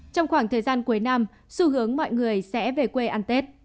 trong khoảng thời gian cuối năm xu hướng mọi người sẽ về quê ăn tết